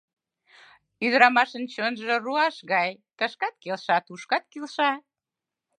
Ӱдырамашын чонжо руаш гай: тышкат келша, тушкат келша...